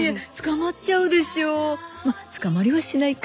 まぁ捕まりはしないか。